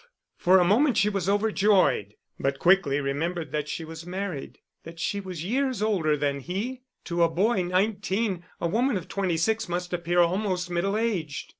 For a moment she was overjoyed, but quickly remembered that she was married, that she was years older than he to a boy nineteen a women of twenty six must appear almost middle aged.